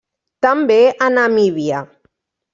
També a Namíbia.